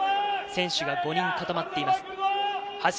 選手が５人固まっています。